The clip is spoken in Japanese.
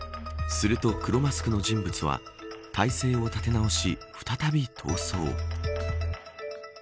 すると黒マスクの人物は体勢を立て直し、再び逃走。